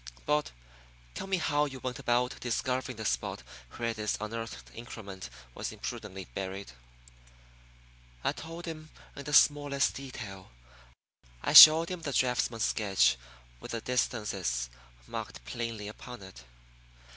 But, tell me how you went about discovering the spot where this unearthed increment was imprudently buried." I told him in the smallest detail. I showed him the draughtsman's sketch with the distances marked plainly upon it.